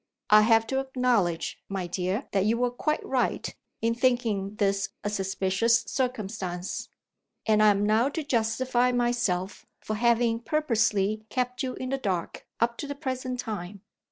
"I have to acknowledge, my dear, that you were quite right in thinking this a suspicious circumstance, And I am now to justify myself for having purposely kept you in the dark up to the present time."